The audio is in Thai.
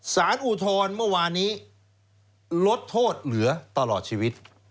อุทธรณ์เมื่อวานี้ลดโทษเหลือตลอดชีวิต